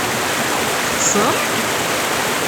Teṭṭsem?